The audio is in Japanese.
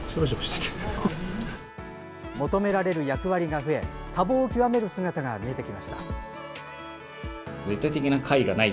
求められる役割が増え多忙を極める姿が見えてきました。